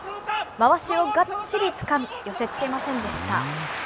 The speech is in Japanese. まわしをがっちりつかみ、寄せつけませんでした。